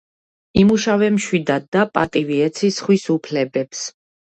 იმუშავე მშვიდად და პატივი ეცი სხვის უფლებებს